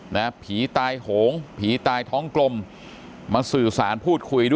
นะผีตายโหงผีตายท้องกลมมาสื่อสารพูดคุยด้วย